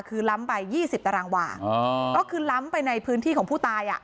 คือล้ำไป๒๐ตารางวาก็คือล้ำไปในพื้นที่ของผู้ตายอ่ะ